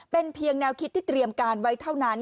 เป็นเพียงแนวคิดที่เตรียมการไว้เท่านั้น